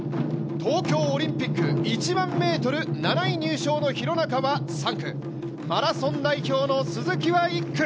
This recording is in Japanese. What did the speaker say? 東京オリンピック１００００ｍ７位入賞の廣中は３区、マラソン代表の鈴木は１区。